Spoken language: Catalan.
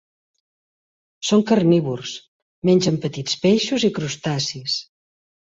Són carnívors, mengen petits peixos i crustacis.